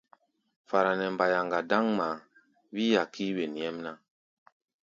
Fara nɛ mbayaŋa dáŋ ŋmaá, wíí-a kíí wen nyɛmná.